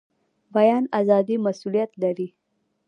بیان ازادي مسوولیت لري